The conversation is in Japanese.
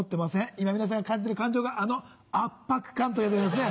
今皆さんが感じてる感情があの圧迫感というやつでございますね。